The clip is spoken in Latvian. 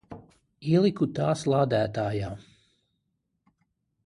Ieliku tās lādētājā.